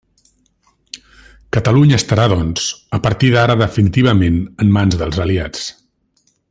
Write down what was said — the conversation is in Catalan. Catalunya estarà doncs a partir d'ara definitivament en mans dels aliats.